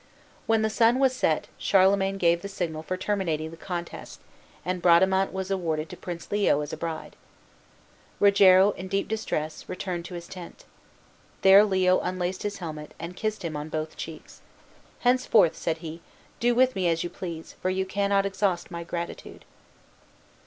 When the sun was set Charlemagne gave the signal for terminating the contest, and Bradamante was awarded to Prince Leo as a bride. Rogero, in deep distress, returned to his tent. There Leo unlaced his helmet, and kissed him on both cheeks. "Henceforth," said he, "do with me as you please, for you cannot exhaust my gratitude."